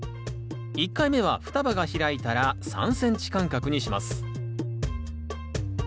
１回目は双葉が開いたら３ｃｍ間隔にします